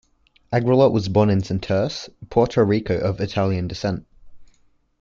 Agrelot was born in Santurce, Puerto Rico of Italian descent.